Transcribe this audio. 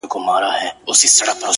o سردونو ویښ نه کړای سو ـ